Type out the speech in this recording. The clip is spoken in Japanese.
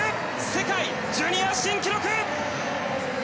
世界ジュニア新記録！